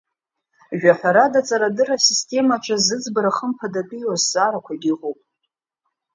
Жәаҳәарада, аҵарадырра асистемаҿы зыӡбара хымԥадатәиу азҵаарақәагьы ыҟоуп.